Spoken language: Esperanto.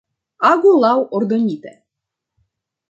Agu laŭ ordonite.